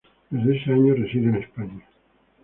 Desde ese año reside en España.